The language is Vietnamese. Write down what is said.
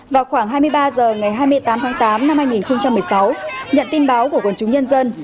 vào khoảng hai mươi ba h ngày hai mươi tám tháng tám năm hai nghìn một mươi sáu nhận tin báo của quần chúng nhân dân